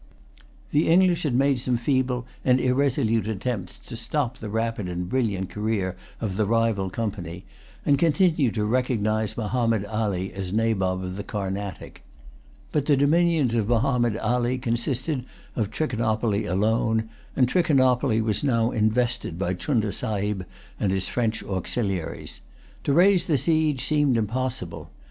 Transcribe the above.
The English had made some feeble and irresolute attempts to stop the rapid and brilliant career of the rival Company, and continued to recognise Mahommed Ali as Nabob of the Carnatic. But the dominions of Mahommed Ali consisted of Trichinopoly alone: and Trichinopoly was now invested by Chunda Sahib and his French auxiliaries. To raise the siege seemed impossible.